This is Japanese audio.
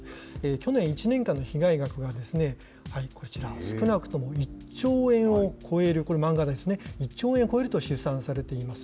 去年１年間の被害額はこちら、少なくとも１兆円を超える、これ漫画ですね、１兆円を超えると試算されています。